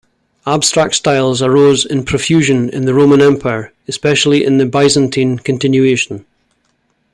Abstract styles arose in profusion in the Roman Empire, especially in the Byzantine continuation.